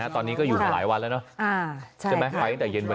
ตอนนี้ก็อยู่หลายวันแล้วนะ